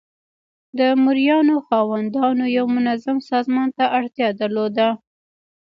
د مرئیانو خاوندانو یو منظم سازمان ته اړتیا درلوده.